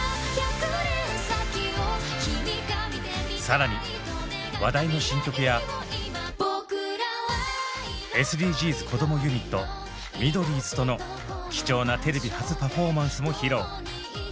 更に話題の新曲やＳＤＧｓこどもユニット「ミドリーズ」との貴重なテレビ初パフォーマンスも披露。